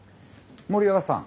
森若さん